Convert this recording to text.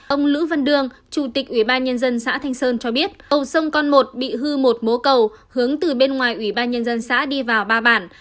ông lữ văn đương chủ tịch ủy ban nhân dân xã thanh sơn cho biết cầu sông con một bị hư một mố cầu hướng từ bên ngoài ủy ban nhân dân xã đi vào ba bản